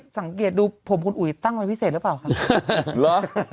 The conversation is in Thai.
สังเกตดูผมคุณอุ๋ยตั้งไว้พิเศษหรือเปล่าครับ